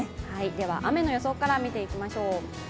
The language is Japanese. では雨の予想から見ていきましょう。